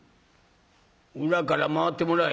裏から回ってもらえ。